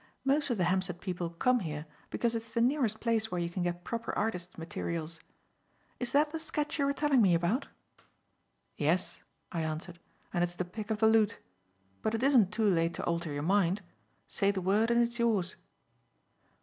"Most of the Hampstead people come here because it's the nearest place where you can get proper artist's materials. Is that the sketch you were telling me about?" "Yes," I answered, "and it's the pick of the loot. But it isn't too late to alter your mind. Say the word and it's yours."